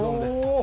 お！